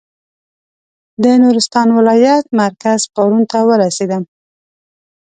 د نورستان ولایت مرکز پارون ته ورسېدم.